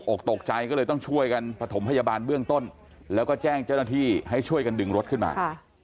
ตกใจก็เลยต้องช่วยกันประถมพยาบาลเบื้องต้นแล้วก็แจ้งเจ้าหน้าที่ให้ช่วยกันดึงรถขึ้นมา